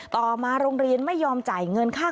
ต่อมาโรงเรียนไม่ยอมจ่ายเงินค่า